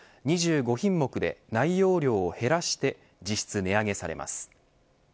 ２５品目で内容量を減らして実質、値上げされます。